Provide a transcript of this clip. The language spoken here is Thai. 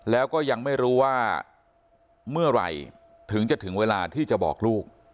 แล้วก็ยังไม่รู้ว่าเมื่อไหร่ถึงจะถึงเวลาที่จะบอกลูก